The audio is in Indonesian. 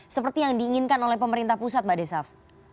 seperti yang diinginkan oleh pemerintah pusat mbak desaf